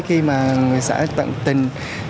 khi người xã tận tình